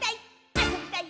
あそびたい！」